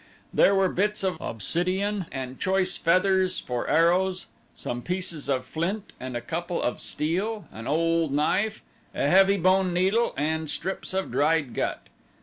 There were bits of obsidian and choice feathers for arrows, some pieces of flint and a couple of steel, an old knife, a heavy bone needle, and strips of dried gut.